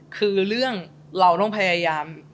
คือเรื่องเราต้องพยายาม